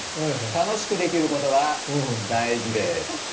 楽しくできることが大事です。